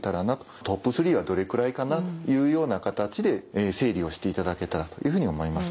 トップ３はどれぐらいかなというような形で整理をしていただけたらというふうに思います。